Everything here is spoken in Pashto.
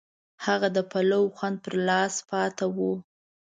هغه د پلاو خوند پر لاس پاتې و.